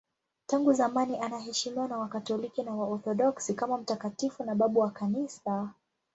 Tangu zamani anaheshimiwa na Wakatoliki na Waorthodoksi kama mtakatifu na babu wa Kanisa.